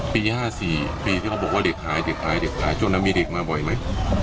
ปี๕๔ที่เค้าบอกว่าเด็กหายถึงมีเด็กคอยมาบ่อยมั้ย